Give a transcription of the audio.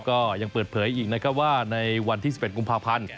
ก็ยังเปิดเผยอีกนะครับว่าในวันที่๑๑กุมภาพันธ์